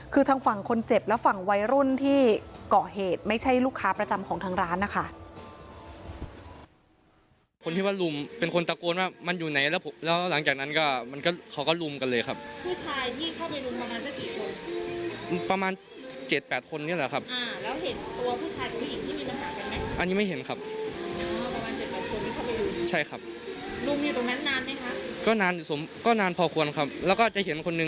คือทางฝั่งคนเจ็บและฝั่งวัยรุ่นที่เกาะเหตุไม่ใช่ลูกค้าประจำของทางร้านนะคะ